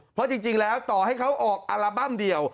เพราะจริงแล้วต่อให้เขาออกอัลบั้มเดียว